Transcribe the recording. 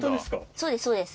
そうですそうです。